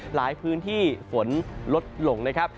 หลายพื้นที่ฝนลดลงนะครับ